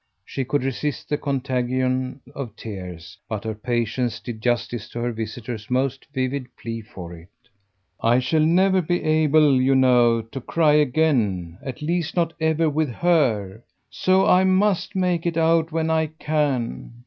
She could resist the contagion of tears, but her patience did justice to her visitor's most vivid plea for it. "I shall never be able, you know, to cry again at least not ever with HER; so I must take it out when I can.